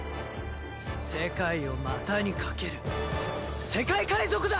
世界を股にかける世界海賊だ！